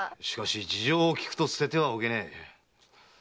しかし事情を聞くと捨ててはおけねえ。